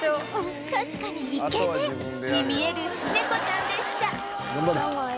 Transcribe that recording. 確かにイケメンに見える猫ちゃんでした